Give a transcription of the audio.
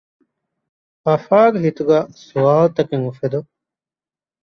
އަފާގެ ހިތުގައި ސްވާލުތަކެއް އުފެދުން